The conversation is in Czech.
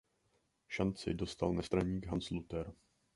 Šanci dostal nestraník Hans Luther.